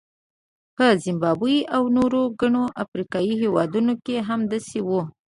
په زیمبابوې او نورو ګڼو افریقایي هېوادونو کې هم داسې وو.